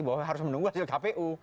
bahwa harus menunggu hasil kpu